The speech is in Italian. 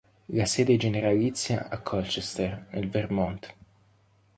La sede generalizia a Colchester, nel Vermont.